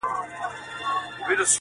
د کلي دې ظالم ملا سيتار مات کړی دی.